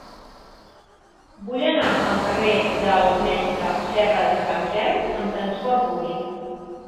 Vull anar al carrer del Mestre Serradesanferm amb trasport públic.